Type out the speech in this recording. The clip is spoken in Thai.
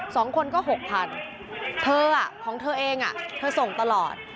สองคนก็หกพันเธอของเธอเองอ่ะเธอส่งตลอด